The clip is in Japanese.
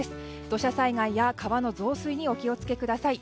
土砂災害や川の増水にお気を付けください。